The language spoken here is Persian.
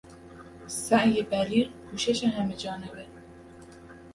سعی بلیغ، کوشش همهجانبه